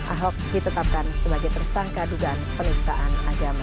ahok ditetapkan sebagai tersangka dugaan penistaan agama